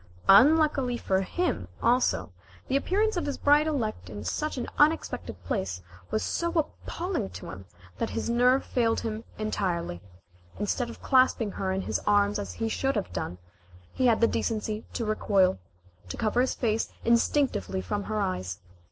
Unluckily for him, also, the appearance of his bride elect in such an unexpected place was so appalling to him that his nerve failed him entirely. Instead of clasping her in his arms as he should have done, he had the decency to recoil, and cover his face instinctively from her eyes.